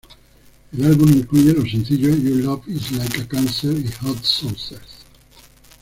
El álbum incluyó los sencillos "Your Love Is Like a Cancer" y "Hot Sauce".